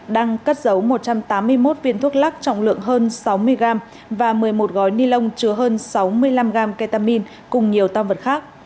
đang cất giấu một trăm tám mươi một viên thuốc lắc trọng lượng hơn sáu mươi gram và một mươi một gói ni lông chứa hơn sáu mươi năm gram ketamin cùng nhiều tam vật khác